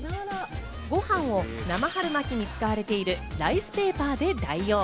ご飯を生春巻きに使われているライスペーパーで代用。